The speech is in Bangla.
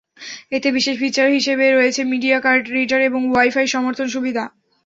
এতে বিশেষ ফিচার হিসেবে রয়েছে মিডিয়া কার্ড রিডার এবং ওয়াই-ফাই সমর্থন সুবিধা।